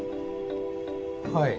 はい。